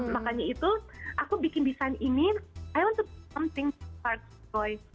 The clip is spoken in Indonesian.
makanya itu aku bikin desain ini i want to do something that starts with joy